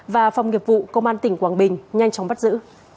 và phòng nghiệp vụ công an tỉnh quảng bình nhanh chóng bắt giữ